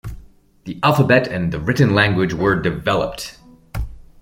The alphabet and the written language were developed.